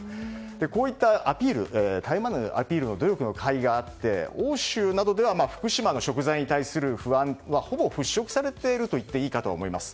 こういったアピールたゆまぬアピールの努力のかいがあって欧州などでは福島の食材に対する不安はほぼ払拭されているかと思います。